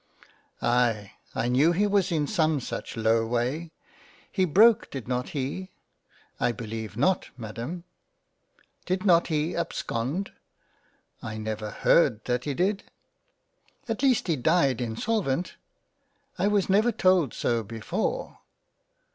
" Aye, I knew he was in some such low way — He broke did not he ?"" I beleive not Ma'am." " Did not he abscond ?"" I never heard that he did." " At least he died insolvent ?"" I was never told so before."